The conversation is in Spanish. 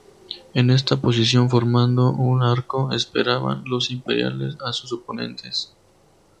En esta posición, formando un arco, esperaban los imperiales a sus oponentes.